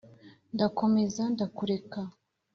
Ndakomeza ndakureka